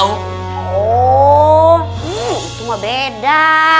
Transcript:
oh itu mah beda